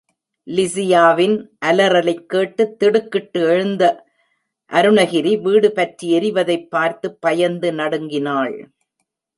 லிஸியாவின் அலறலைக் கேட்டு திடுக்கிட்டு எழுந்த அருணகிரி வீடு பற்றி எரிவதைப் பார்த்து பயந்து நடுங்கினாள்.